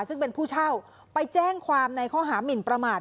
ซึ่งเป็นผู้เช่าไปแจ้งความในข้อหามินประมาท